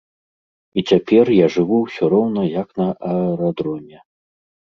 І цяпер я жыву ўсё роўна як на аэрадроме.